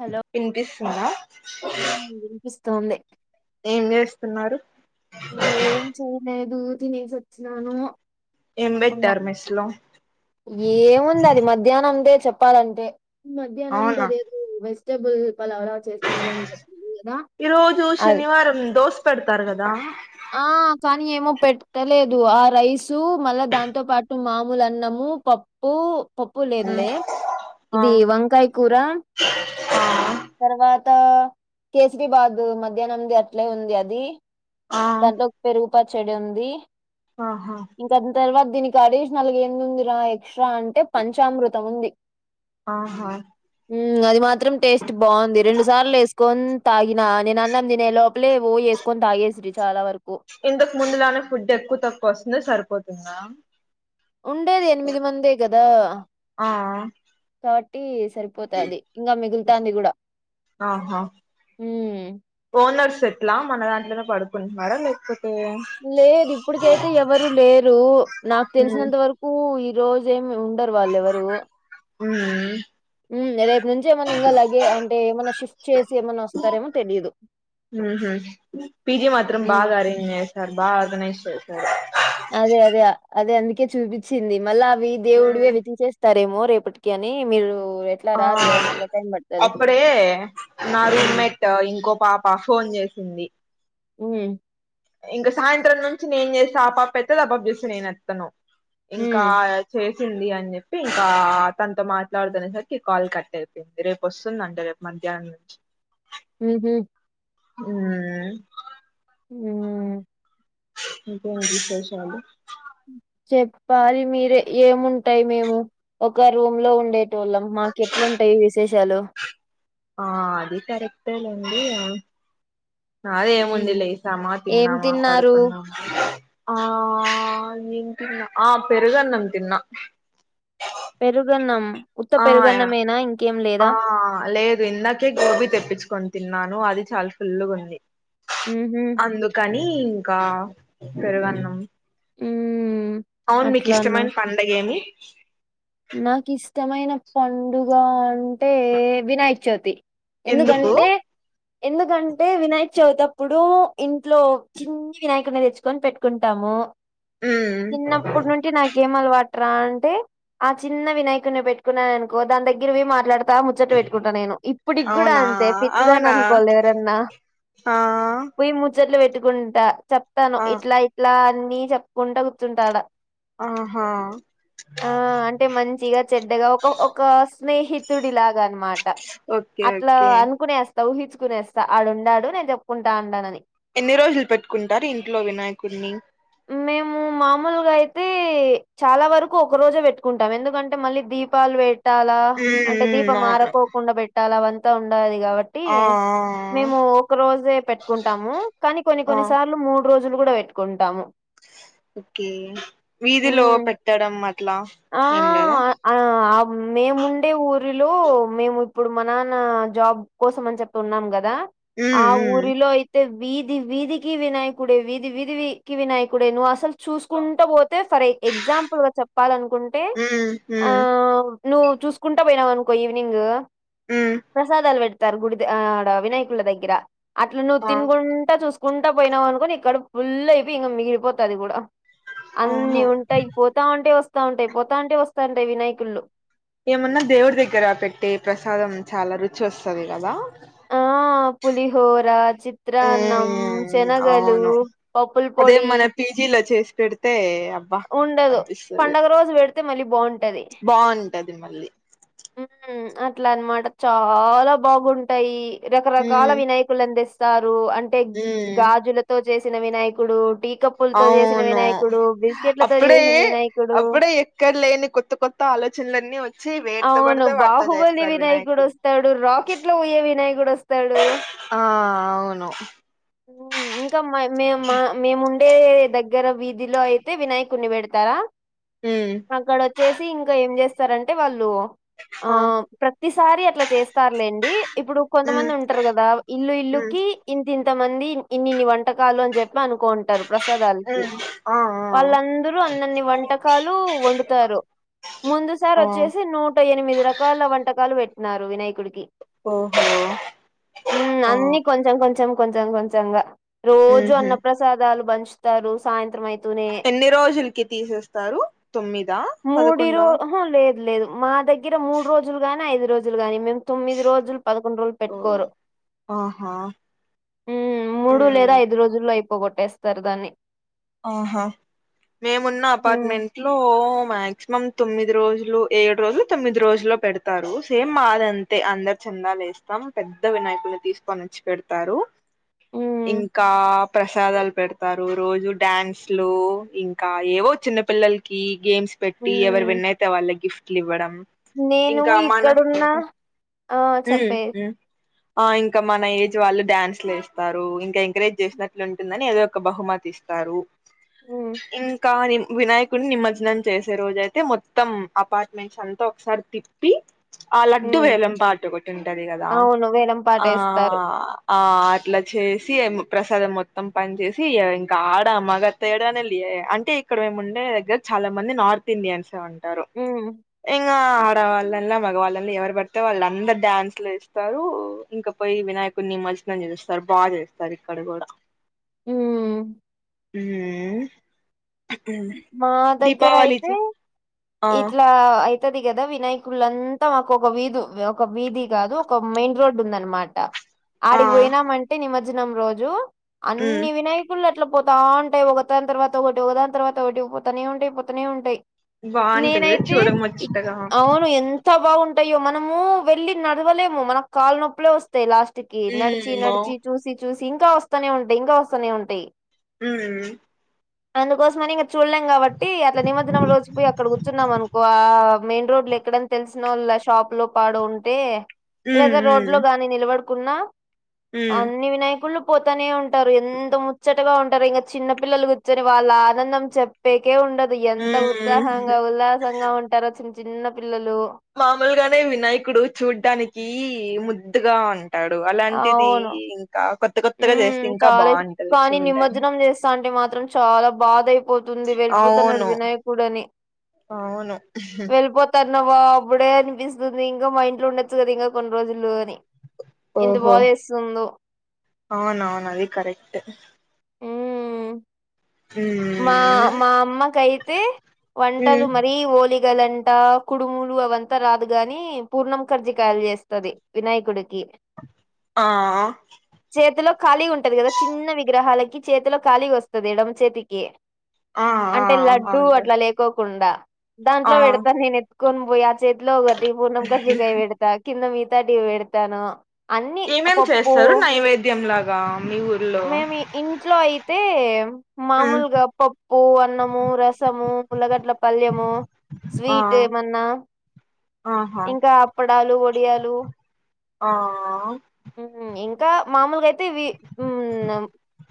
Hello వినిపిస్తుందా ఉ వినిపిస్తోంది ఏం చేస్తున్నారు ఏం చెయలేదు తినేసి వచ్చినాను ఎం ఉన్నా పెట్టారు మేస్లో ఏముంది అది మధ్యాహ్నందే చెప్పాలంటే మధ్యాహ్నం అవునా అదేదో వెజిటబుల్ పలవరా చేసి ఈ రోజు అది శనివారం దోశ పెడతారు కదా ఆ కానీ ఏమో పెట్టలేదు ఆ రైసు మళ్ళ దాంతో పాటు మామూలు అన్నము పప్ పు లేదులే ఆ ఆ ఇది వంకాయ కూర తర్వాత కేసీరీబాద్ మధ్యాహ్నం ది అట్లే ఉంది అది ఆ దాంట్లోకి పెరుగు పచ్చడి ఉంది ఆహ ఇంక దాని తర్వాత దీనికి అడిషనల్గా ఏంది ఉంది రా ఎక్స్ట్రా అంటే పంచామృతం ఉంది ఆహ అది మాత్రం టేస్ట్ బాగుంది రెండు సార్లు వేసుకొన్ తాగిన నేను అన్నాం దీనే లోపలే వేసుకో కొన్ తాగేసిరి చాల వరకు ఇంతకు ముందులానే ఫుడ్ ఎక్కువ తక్కువ వస్తుంది సరిపోతుందా ఉండేది ఎనిమిది మందే కదా ఆ కాబట్టి సరి పోతాది ఇంక మిగులుతాంది కూడ ఆహా ఉమ్ ఓనర్స్ ఎట్ల మన దాంట్లోనే పడుకుంటున్నార లేకపోతే లేదు ఇప్పుటికైతే ఎవరు లేరు నాకు మ్మ్ తెలిసినంత వర కూ ఈ రోజ ఏమి ఉండరు వాళ్ళెవరు ఉమ్ ఉమ్ రేపు నుంచి ఏమన్నా లగే అంటే ఏమన్నా షిఫ్ట్ చేసి ఏమైన్నా వస్తారేమో తెలీయదు ఉహు పీజి మాత్రం మ్మ్ బాగ ఉంది తర్ బాగా ఆర్గనైజ్ చేస్తార్ అదే అదే అదే అందుకే చూపించింది మళ్ళా అవి దేవుడివే మ్మ్ వితించేస్తారేమో రేపటి అని మీరు ఎట్ ఆ అప్పుడే నా రూమ్ హ్మ్. మేట్ ఇంకో పాప ఫోన్ చేసింది ఉ ఇంక సాయంత్రం నుంచి నేను చేస్తా ఆ పాప ఎత్తేది ఆపాప్ చూస్తే నేను ఎస్తాను ఇంకా హ్మ్. చేస్ తుంది అని చెప్పి ఇంకా తనతో మాట్లాడుతునేసరికి కాల్ కట్ అయిపోయింది రేపు వస్తుందంటే రేపు మధ్యాహ్నం నుంచి ఉహు హు ఉ ఇంకేం అండి విశేషాలు. చెప్పాలి మీరె ఏముంటాయి మేము ఒక రూమ్ లో ఉండే ట్ వొళ్ళం మాకు ఎట్ల ఉంటాయి విశేషాలు ఆ అది కరెక్ట్టె లే అండి నాది ఏముంది హ్మ్. లె లేసామ ఏం తిన్నామా తిన్నారు? పడుకున్నామా ధ ఆ ఏం తిన్నా ఆ పెరుగన్నం తిన్నా పెరుగన్నం ఉత్త ఆ పెరుగన్నమేన ఇంకేం లేదా ఆ లేదు ఇందక్ కి గోబీ తెప్పించుకొని తిన్నాను అది చాలా ఫుల్లుగా ఉంది ఉహు అందుకని ఇంక పెరుగన్నం ఉమ్ అవును మీకు ఇష్టమైన పండగ ఏమి? నాకు ఇష్టమైన పండుగ అంటే వినాయక చవితి. ఎందుకు ఎందుకంటే ఎందుకంటే వినాయకచవితప్పుడు ఇంట్లో చిన్ని వినాయకుడు ని తెచ్చు కొని పెట్టుకుంటాము ఉమ్ చిన్నప్పటి నుండి నాకేం అలవాట్రా అంటే ఆ చిన్న వినాయకుడిని పెట్టుకున్నానుకో దాని దగ్గరవి మాట్లాడుత దా ముచ్చట్ పెట్టుకుంటాను నేను ఇప్పుడికి కూడా అవునా అంతే పిచ్చిదా అని అవునా అనుకోవాలి ఎవరన్నా ఆ పొయ్యి ముచ్చట్లు పెట్టుకుంటా చెప్తాను ఆ ఇట్లా ఇట్లా అన్ని చెప్పుకుంటా కూర్చుంటాడా ఆహా ఆ అంటే మంచిగా, చెడ్డగా ఒక ఒక స్నేహితుడిలాగా అనమాట. డ ఓకే అట్లా ఓకే అనుకునేస్తా ఊహించుకునేస్తా ఆడుండాడు నేను చెప్పుకుంటా అన్నానని ఎన్ని రోజులు పెట్టుకుంటారు ఇంట్లో వినాయకుడిని? మేము మామూలుగా అయితే చాలా వరకు ఒక రోజే పెట్టుకుంటాం ఎందుకంటే మళ్ళీ దీపాలు పె ట్టాలా ఉమ్ అంటే ఉమ్ దీపం అవును మారకోకుండా పెట్టాలా అ అంతా ఉండది కాబ ట్టి ఆ ఆ మేము ఒక రోజే పెట్టుకుంటాము కానీ కొన్ని ఆ కొన్నిసార్లు మూడు రోజులు కూడా పెట్టుకుంటాము. ఓకే వీధిలో హ్మ్. పెట్టడం అట్లా ఆ ఏం లేదా? ఆ మేముండే ఊరిలో మేము ఇప్పుడు మనాన్న జాబ్ కోసం అని చెప్తున్నాం కదా ఉమ్ ఆ ఉమ్ ఊరిలో అయితే వీధి వీధికి వినాయకుడే వీధి వీధికి వినాయకుడే నువ్వు అసలు చూసుకుంట పోతే ఫరై ఎగజాంపుల్ వ చప్ప కుంటే ఉమ్ ఆ ఉమ్ నువ్వు చూసుకుంటా పోయినావ అనుకో ఈవినింగ్ ఆ ప్రసాదాలు పెడతారు గుడి ఆడ వినాయకుల దగ్గర అట్లు నువ్వు ఆ తినుగుంట చూసు కుంట పోయినావ్ అనుకో నికడుపు ఫుల్ అయిపోయి ఇంక మిగిలిపోతది కూడా ఆహా అన్ని ఉంటాయి. పోతా ఉంటే వస్తా ఉంటాయి. పోతా ఉంటే వస్తా ఉంటాయి వినాయకుళ్లు. ఏమన్నా దేవుడి దగ్గర పెట్టి ప్రసాదం చాలా రుచి వస్తది కదా ఆ పులిహోర, చిత్రాన్నం, ఉమ్ శనగలు పప్పుల్ పొడి జీల చేసి పెడితే అ ఉండదు పండగ రోజు పెడితే మళ్ళీ బావుంటది. బావుంటది మళ్ళీ ఉహు అట్లా అన్నమాట చాలా బాగుంటాయి రకరకాల ఉమ్ వినాయకులు తే స్తారు అంటే ఉమ్ గాజులతో చేసిన వినాయకుడు టీక ప్పులతో చేసిన అవును వినాయకుడు, బిస్కెట్లతో అప్పుడే చేసిన వినాయకుడు అప్పుడే ఎక్కడ లేని కొత్త కొత్త ఆలోచనలన్నీ వ అవును బాహుబలి వినాయకుడు వినాయకుడిని వస్తాడు. రాకెట్ లో పోయే వినాయకుడు వస్తాడు. ఆ ఆ అవును ఇంకా మై మే మా మేముండే ద గ్గర వీధిలో అయితే వినాయకుడిని బెడతారా? హమ్ అక్కడ వచ్చేసి ఇంకా ఏం చేస్తారంటే వాళ్ళు ఆ ప్ర తిసారి అట్లా చేస్తారులేండి ఇప్పుడు ఉమ్ కొంతమంది ఉంటారు కదా ఇల్లు ఉమ్ ఇల్లుకి ఇంతింత మంది ఇన్ని ఇన్ని వంటకాలు అని చెప్పి అనుకుంటారు ప్రసాదాలకి ఉం వాళ్ళందరూ అన్నన్ని వంటకాలు వండుతారు ముందుసారి ఆ వచ్చేసి నూట ఎనిమిది రకాల వంటకాలు బెట్టినారు వినాయకుడికి ఓహో ఉమ్ ఆ అన్ని కొంచెం కొంచెం కొంచెం కొంచెంగా రోజు అన్న ఉహు ప్రసాదాలు పంచుతారు సాయంత్రం అయితే ఎన్ని రోజులకి తీసేస్తారు తొమ్మిదా పదకొండా ఆహ లేదు లేదు మా దగ్గర మూడు రోజులు గాని ఐదు రోజులు గాని తొమ్మిది రోజులు పదకొండు రోజులు పెట్టుకోరు ఆ ఉమ్ మూడు ఉహు లేదా ఐదు రోజుల్లో అయిపోగొట్టేస్తారు దాన్ని ఆహా మేమున్న ఉమ్ అపార్ట్మెంట్ ఇంట్లో మాక్సిమం తొమ్మిది రోజులు ఏడు రోజులు తొమ్మిది రోజుల్లో పెడతారు సేమ్ మాది అం తే అందరు చెందాలేస్తాం పెద్ద వినాయకుని తీసుకొనిచ్చి పెడతారు ఉమ్, ఇంకా ప్రసాదాలు పెడతారు రోజు డ్యాన్స్లు ఇంకా ఏవో చిన్నపిల్లలకి గేమ్స్ పెట్టి ఎవరు ఉమ్. విన్నయితే వాళ్ళ గిఫ్ట్లు ఇవ్వడం నేను ఇంకా మన ఇక్కడున్న ఆ ఉమ్ చెప్పే ఉం ఆ ఇంకా మన ఏజ్ వాళ్ళు డ్యాన్స్లు వేస్తారు ఇంకా ఎంకరేజ్ చేసినట్లు ఉంటుందని ఏదో ఒక బహుమతి ఇస్తారు ఉమ్ ఇంకా వినా కున్ని నిమజ్జనం చేసే రోజయితే మొత్తం అపార్ట్మెంట్స్ అంతా ఒకసారి తిప్పి ఆ లడ్డు ఉమ్ వేలం పాటు ఒకటి ఉంటాది కదా అవును వేలం ఆ పాటేస్తారు ఆ అట్లా చేసి ప్రసాదం మొత్తం పంచేసి ఇక ఆడ మగ తేడానే లియే అంటే ఇక్కడ మేము ఉండే దగ్గర్ చాలా మంది నార్త్ ఇండియన్స్ ఉంటారు ఉమ్ ఇంకా ఆడవాళ్ళలా మగవాళ్ళలా ఎవరు పడితే వాళ్ళ అందరు డాన్స్ లు వేస్తారు ఇంక పోయి వినాయకుడిని నిమజ్జనం చేస్తారు బాగా చేస్తారు ఇక్కడ కూడా ఉమ్ ఉమ్మ్ మా దగ్గర దీపావళి అయితే ఆ ఇట్లా ఉంటది కదా వినాయకులంతా మాకు ఒక వీధి ఒక వీధి కాదు ఒక మెయిన్ రోడ్ ఉందనమాట ఆ ఆడికి పోయినామంటే నిమజ్జనం రోజు ఉమ్ అన్ని వినయ కుల్లు అట్ల పోతా ఉంటాయి ఒకదాని తర్వాత ఒకటి ఒకదాని తర్వాత ఒకటి పోతనే ఉంటాయి పోతనే ఉంటాయి బాగుంటది నేనైతే చూడముచ్చటగా అవును ఎం త బాగుంటాయో మనము వెళ్ళి నడవలేము మనకు కాలు నొప్పులే వస్తాయి లాస్ట్ కి నడిచి ఉమ్ అవ్ నడిచి చూసి చూసి ఇంకా వస్తూనే ఉంటాయి ఇంకా వస్తూనే ఉంటాయి ఉం అందుకోసమని ఇంక చూడలేం కాబట్టి అట్లా నిమజ్జనం రోజు పోయి అక్కడ వస్తున్నాం అనుకో ఆ మెయిన్ రోడ్లు ఎక్కడని తెలిసిన వాళ్ళ షాప్ లో పాడు ఉంటే ఉమ్ లేదా రోడ్ ఉమ్ లో గాని నిలబడుకున్నా ఉమ్ అన్ని వినాయకులు పోతనే ఉంటరు ఎంత ముచ్చటగా ఉంటరు ఇంగ చిన్న పిల్లలు కుర్చొని వాళ్ళ ఆనందం చెప్పేకే ఉండదు ఎంత ఉత్సాహంగా ఉమ్ ఉల్లాసంగా ఉంటారో చిన్న చిన్న పిల్లలు మామూలుగానే వినాయకుడు చూడ్డానికి ముద్దుగా ఉంటాడు అలాంటిది అవును ఇంకా కొత్త కొత్తగా ఉమ్ చేస్తే ఇంకా చాలా ఇ బాగుంటది కానీ చూడ్డాని [unintelligible] మాత్రం చాలా బాదయ్తా పోతుంది వెళ్ళిపోతున్నాడు అవును వినాయకుడు అని అవును వెళ్ళిపో తన్నవ అప్పుడే అనిపిస్తుంది ఇంకా మా ఇంట్లో ఉండొచ్చు కదా ఇంకా కొన్ని రోజులు అని ఎంత ఓహో బాదేస్తుందో అవునవును అది కరెక్ట్ ఉమ్ హ్మ్ మా మా అమ్మకైతే వంటలు మ్మ్. మరీ ఓలిగలంటా కుడుములు అవంతా రాదుగాని పూర్ణం కజ్జికాయలు జేస్తది వినాయకుడికి ఆ చేతిలో ఖాళీ ఉంటది కదా చిన్న విగ్రహాలకి చేతిలో ఖాళీ వస్తది ఎడమ చేతికి ఆ ఆ అంటే లడ్డు అవును అట్లా లేకోకుండా ఆ దాంట్లో పెడతా నేన్‌ఎ త్కొని పోయి ఆ చేతిలో ఒకటీ పూర్ణం కజ్జికాయ్పెడతా కింద మీతాటి పెడతాను అన్ని ఏమేం పప్పు చేస్తారు నైవేద్యం లాగా మీ ఊర్లో మేమి ఇంట్లో అయితే మ్మ్ మామూలుగా పప్పు, అన్నము, రసము ఉల్లగడ్ల పల్యము ఆ స్వీట్‌ ఏమన్నా ఆహా ఇంకా అప్పడాలు వడియాలు ఆ హ్మ్ ఇంకా మామూలుగా అయితే ఇవి మ్మ్ మ్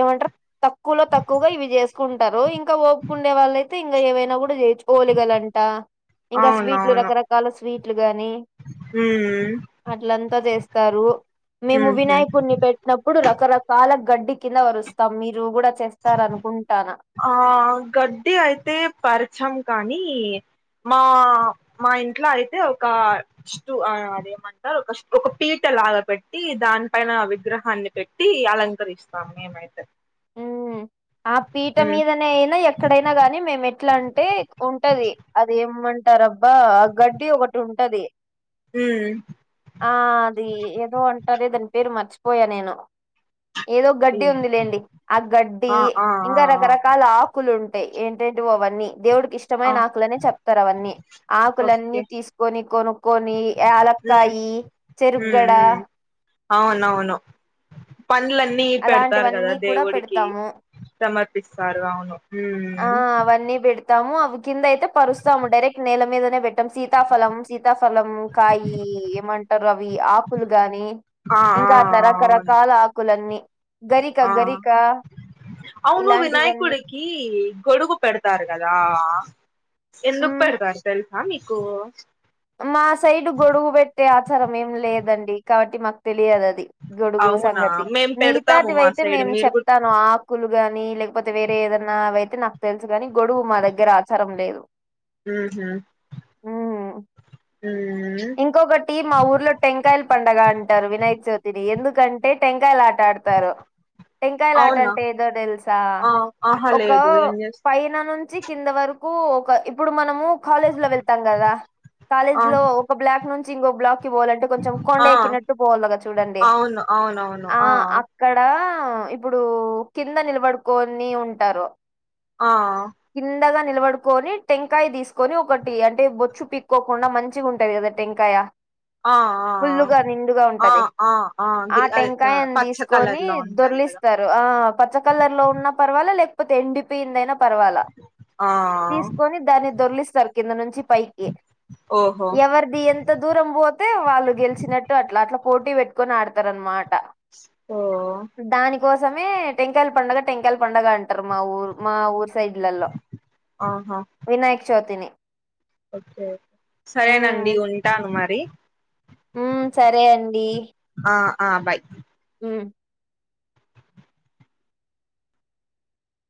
ఏమంటరు తక్కువలో తక్కువగా ఇవి జేసుకుంటారు ఇంకా ఓపిక ఉండేవాళ్ళయితే ఇంకా ఏవైనా కూడా చేయొచ్చు ఓలిగలంట ఇంకా స్వీట్లు అవునవును రకరకాల స్వీట్లు గానీ హ్మ్ హ్ అట్లంతా జేస్తారు మేము మ్మ్ వినాయకుడిని పెట్ న్నప్పుడు రకరకాల గడ్డి కింద పరుస్తాం మీరు గూడా చేస్తారనుకుం ఆ గడ్డి అయితే పరచం కానీ మా మా ఇంట్లో అయితే ఒక స్టూ ఆ అదిదే మంటా రు ఒక పీట లాగ పెట్టీ దాని పైన విగ్రహాన్ని పెట్టీ అలంకరిస్తాము. మేమైతే హ్మ్ ఆ పీట ఉమ్ మీద నే అయినా ఎక్కడైనా కానీ మేమ్ ఎట్లా అంటే ఉంటది అది ఏమంటారబ్బా ఆ గడ్డి ఒ కటుంటది హ్మ్ ఆ అది ఏదో అంటారే దాని పేరు మర్చిపోయా నేను ఏదో గడ్డి ఉమ్ ఉంది లేండి గడ్డి ఆ ఆ ఆ ఇంకా ఆ రకరకాల ఆకులు ఉంటయ్ ఏంటేంటివో అవన్నీ దేవుడికి ఇ ఆ ష్టమైన ఆకులని చెప్తారు అవన్నీ ఆకులన్నీ ఓకే తీసుకొని కొనుక్కొని ఉమ్ యలక్కాయి ఉమ్ చెరుక్గడ ఉమ్ అవునవును పండ్లన్నీ పెడతారు కదా అలాంటివన్నీ కూడా దేవుడికి పెడతాము. సమర్పిస్తారు అవును ఆ ఉమ్ అవన్నీ బెడ్ తాము అవి కింద అయితే పరుస్తాము డైరెక్ట్ నేల మీదనే పెట్టము సీతాఫలం సీతాఫలము కాయి ఏమంటారు అవి ఆకులు గాని ఆ ఆ ఆ ఇంకా అట్ల అవును రకరకాల ఆకులన్నీ గరిక ఆ ఆ గరికా ఇలాంటివన్నీ ఈ గొడుగు పెడతారు కదా ఆ ఎందుకు మ్మ్. పెడతార్‌ తెల్సా మీకు మా సైడ్ గొడుగు పెట్టే ఆచారం ఏం లేదండి కాబట్టి మాకు తెలియదు అది గొడుగు అవునా సంగతి మేం పెడతాము మిగతాటివి మా అయితే సైడ్ నేను మీరు కూడా చెప్తాను ఆ [unintelligible] గాని లేకపోతే వేరే ఏదన్న అవి అయితే నాకు తెలుసు గాని గొడుగు మా దగ్గర ఆచారం లేదు ఉహు మ్మ్. ఉ ఇంకొకటి మా ఊర్లో టెంకాయలు పండగ అంటారు వినాయక చవితిని ఎందుకంటే టెంకాయల ఆట ఆడతారు టెంకాయలాట అవునా అంటే ఏంటో తెలుసా ఆ ఆహా ఒక లేదు ఏం చేస్త [unintelligible] [unintelligible] నుంచి కింద వరకు ఒక ఇప్పుడు మనము కాలేజ్ లో వెళ్తాం కదా కాలేజ్ ఆ లో ఒక బ్లాక్ నుంచి ఇంగో బ్లాక్ పోవాలంటే కొంచెం కొండ ఆ ఎక్కినట్టు పోవాలగ చూడండి అవును అవునవును ఆ ఇక్కడ ఇప్పుడు కింద నిలబడుకొని ఉంటారు ఆ కిందగ నిలబడుకొని టెంకాయ తీసుకొని ఒకటి అంటే బొచ్చు పీకోకుండా మంచిగా [unintelligible] [unintelligible] టెంకాయ ఆ ఫుల్లుగ ఆ నిండుగ ఆ ఉంటది ఆ ఆ గ్రీ అదే దా- టెంకాయని పచ్చ తీస్ కలర్ కొని లో ఉంటది కదా దొరలిస్త [unintelligible] ఆ పచ్చ కలర్ లో ఉన్న పర్వాల లేకపోతే ఎండిపోయింది అయిన పర్వాల ఆ తీసుకొని దాన్ని దొర్లిస్తారు కింద నుంచి పైకి ఓహో ఎవర్ [unintelligible] ఎంత దూరం పోతే వాళ్ళు గెలిచినట్టు అట్ల అట్ల పోటీ పెట్టుకొని పోతారు అనమాట ఓ దాని కోసమే టెంకాయలు పండుగ టెంకాయలు పండగ అంటారు మా ఊరు మా ఊరు సైడ్లలో ఆహా వినాయక చౌతిని ఒకే సరేనండి ఉంటాను మరి ఉ సరే అండి ఆ ఆ బాయ్ హు